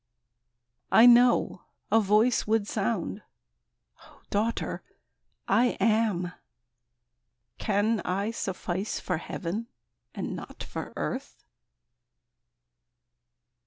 I know a Voice would sound, " Daughter, I AM. Can I suffice for Heaven, and not for earth